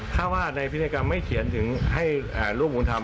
ถ้าว่าในพินัยกรรมไม่เขียนถึงให้ลูกบุญธรรม